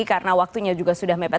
karena waktunya juga sudah mepet